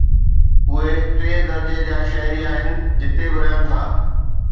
اهي ٽئين درجي جا شهري آهن جتي به رهن ٿا